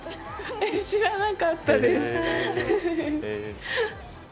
知らなかったです。